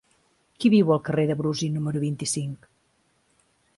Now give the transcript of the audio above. Qui viu al carrer de Brusi número vint-i-cinc?